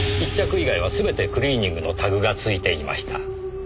１着以外は全てクリーニングのタグがついていました。